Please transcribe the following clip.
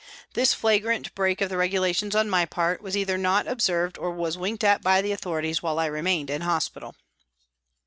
This flagrant break of the regulations on my part was either not observed or was winked at by the authorities while I remained in hospital.